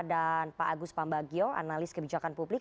dan pak agus pambagio analis kebijakan publik